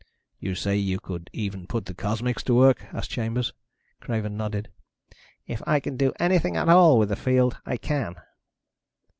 "You say you could even put the cosmics to work?" asked Chambers. Craven nodded. "If I can do anything at all with the field, I can."